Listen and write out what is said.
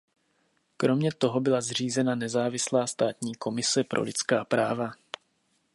Kromě toho byla zřízena nezávislá státní komise pro lidská práva.